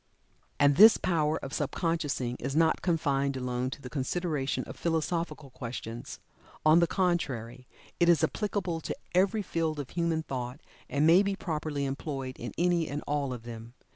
And this power of sub consciousing is not confined alone to the consideration of philosophical questions. On the contrary it is applicable to every field of human thought, and may be properly employed in any and all of them.